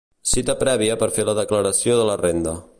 Cita prèvia per fer la declaració de la renda.